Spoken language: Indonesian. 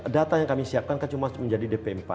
data yang kami siapkan kan cuma menjadi data